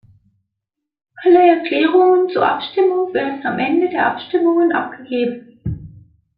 Alle Erklärungen zur Abstimmung werden am Ende der Abstimmungen abgegeben.